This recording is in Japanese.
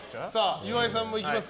岩井さんもいきますか。